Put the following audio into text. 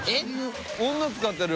女使ってる。